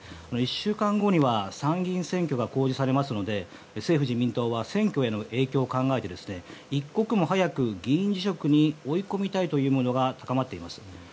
１週間後には参議院選挙が公示されますので政府・自民党は選挙への影響を考えて一刻も早く議員辞職に追い込みたいというムードが高まっています。